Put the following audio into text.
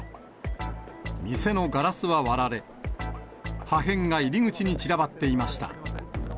店のガラスは割られ、破片が入り口に散らばっていました。